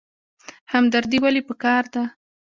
همدردي ولې پکار ده؟